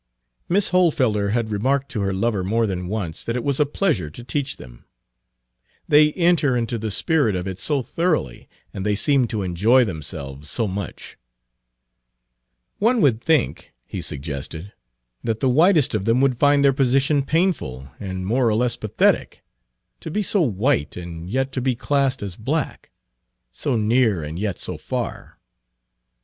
Miss Hohlfelder had remarked to her lover more than once that it was a pleasure to teach them. "They enter into the spirit of it so thoroughly, and they seem to enjoy themselves so much." "One would think," he suggested, "that the whitest of them would find their position painful and more or less pathetic; to be so white and yet to be classed as black so near and yet so far."